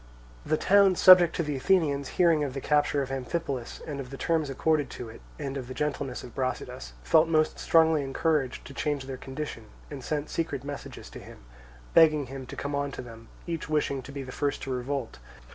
The towns subject to the Athenians, hearing of the capture of Amphipolis and of the terms accorded to it, and of the gentleness of Brasidas, felt most strongly encouraged to change their condition, and sent secret messages to him, begging him to come on to them; each wishing to be the first to revolt.